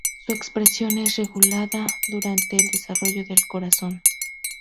Su expresión es regulada durante el desarrollo del corazón.